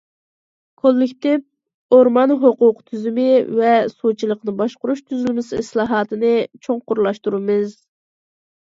كوللېكتىپ ئورمان ھوقۇقى تۈزۈمى ۋە سۇچىلىقنى باشقۇرۇش تۈزۈلمىسى ئىسلاھاتىنى چوڭقۇرلاشتۇرىمىز.